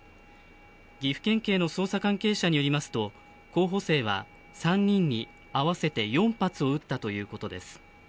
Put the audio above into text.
岐阜県警の捜査関係者によりますと候補生は３人に合わせて４発を撃ったということです。